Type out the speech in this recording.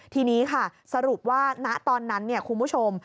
ทีนี้ค่ะสรุปว่าณตอนนั้นคุณผู้ชม